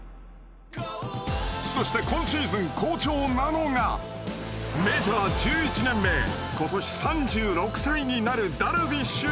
そして今シーズン好調なのがメジャー１１年目今年３６歳になるダルビッシュ